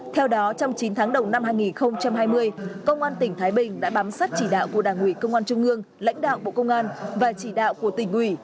theo đó trong chín tháng đầu năm hai nghìn hai mươi công an tỉnh thái bình đã bám sát chỉ đạo của đảng ủy công an trung ương lãnh đạo bộ công an và chỉ đạo của tỉnh ủy